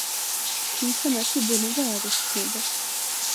თუმცა მათი ბუნება არ იხსნება.